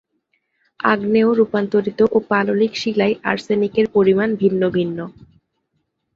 আগ্নেয়, রূপান্তরিত ও পাললিক শিলায় আর্সেনিকের পরিমাণ ভিন্ন ভিন্ন।